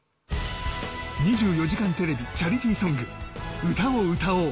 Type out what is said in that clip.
『２４時間テレビ』チャリティーソング、『歌を歌おう』